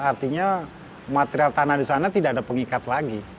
artinya material tanah di sana tidak ada pengikat lagi